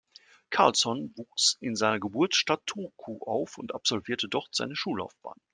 Karlsson wuchs in seiner Geburtsstadt Turku auf und absolvierte dort seine Schullaufbahn.